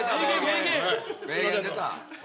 名言出た。